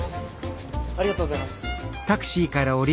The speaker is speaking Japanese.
ありがとうございます。